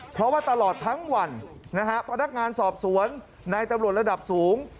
เพราะว่าตลอดทั้งวันนะฮะพนักงานสอบสวนในตำรวจระดับสูง